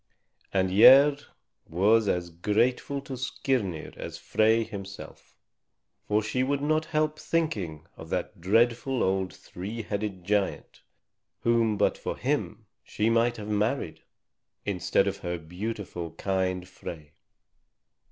And Gerd was as grateful to Skirnir as Frey himself. For she could not help thinking of that dreadful old three headed giant whom but for him she might have married, instead of her beautiful, kind Frey.